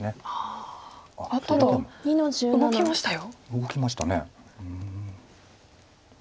動きました。